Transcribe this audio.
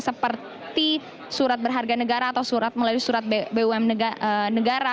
seperti surat berharga negara atau melalui surat bum negara